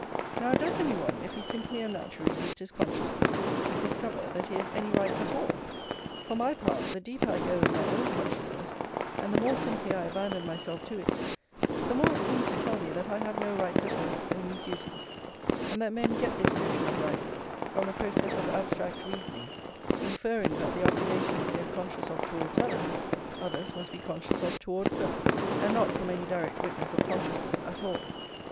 Now does any one, if he simply and naturally reads his consciousness, discover that he has any rights at all? For my part, the deeper I go in my own consciousness, and the more simply I abandon myself to it, the more it seems to tell me that I have no rights at all, only duties; and that men get this notion of rights from a process of abstract reasoning, inferring that the obligations they are conscious of towards others, others must be conscious of towards them, and not from any direct witness of consciousness at all.